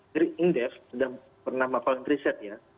dari indef sudah pernah melakukan riset ya